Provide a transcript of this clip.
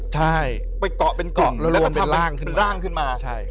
ใช่ไปเกาะเป็นกล่องหรือจังถ้างแล้วพรีบล่างขึ้นมาใช่